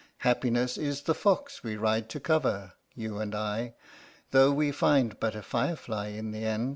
Happiness is the fox we ride to cover, you and I, though we find but a firefly in the end."